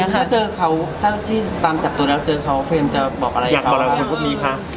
ถ้าเจอเขาถ้าที่ตามจากตัวแล้วเจอเขาเฟรมจะบอกอะไรอย่างนี้คะ